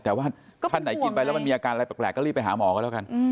แต่ว่าท่านไหนกินไปแล้วมันมีอาการอะไรแปลกก็รีบไปหาหมอก็แล้วกัน